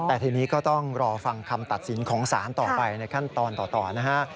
แต่ทีนี้ก็ต้องรอฟังคำตัดสินของศาลต่อไปในขั้นตอนต่อนะฮะ